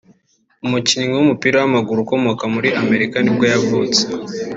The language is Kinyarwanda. umukinnyi w’umupira w’amaguru ukomoka muri Amerika nibwo yavutse